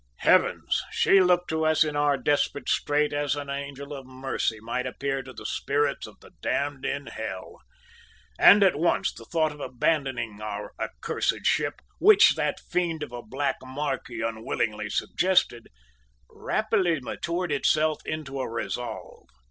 "Heavens! She looked to us in our desperate strait as an angel of mercy might appear to the spirits of the damned in hell; and, at once, the thought of abandoning our accursed ship, which that fiend of a black `marquis' unwillingly suggested, rapidly matured itself into a resolve.